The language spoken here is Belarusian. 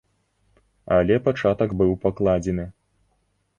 Але пачатак быў пакладзены.